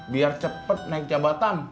biar cepet naik jabatan